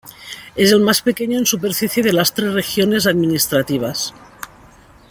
Es el más pequeño en superficie de las tres regiones administrativas.